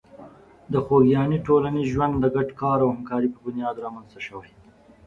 د خوږیاڼي ټولنیز ژوند د ګډ کار او همکاري په بنیاد رامنځته شوی.